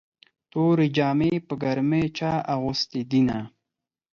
تورې جامې په ګرمۍ چا اغوستې دينه